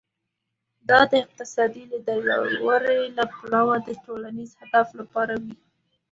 دا د اقتصادي لیدلوري له پلوه د ټولنیز هدف لپاره وي.